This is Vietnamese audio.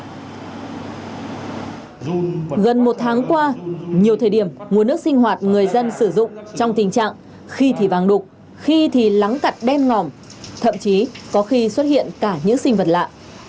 gần một tháng qua nhiều thời điểm nguồn nước sinh hoạt người dân sử dụng trong tình trạng khi thì vàng đục khi thì lắng cặt đen ngòm thậm chí có khi xuất hiện cả những sinh vật lạ